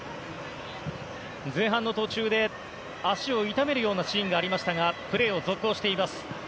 前半の途中で足を痛めるようなシーンがありましたがプレーを続行しています。